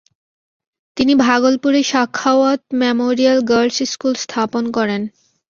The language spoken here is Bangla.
তিনি ভাগলপুরে ‘সাখাওয়াৎ মেমোরিয়াল গার্লস’ স্কুল স্থাপন করেন।